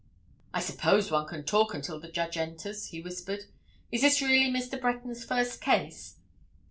"I suppose one can talk until the judge enters?" he whispered. "Is this really Mr. Breton's first case?"